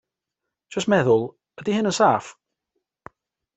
Jyst meddwl, ydy hyn yn saff?